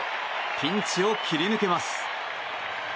ピンチを切り抜けます。